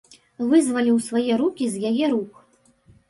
Вызваліў свае рукі з яе рук.